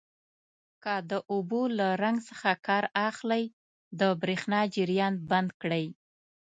که د اوبو له رنګ څخه کار اخلئ د بریښنا جریان بند کړئ.